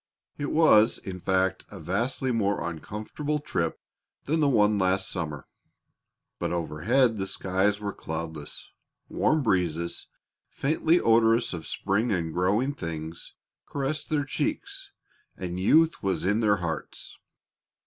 It was, in fact, a vastly more uncomfortable trip than the one last summer. But overhead the skies were cloudless; warm breezes, faintly odorous of spring and growing things, caressed their cheeks, and youth was in their hearts.